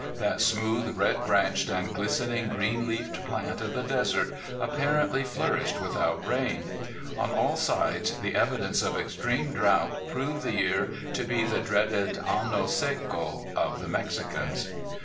That smooth red branched and glistening green leafed plant of the desert apparently flourished without rain. On all sides the evidences of extreme drought proved the year to be the dreaded anno seco of the Mexicans.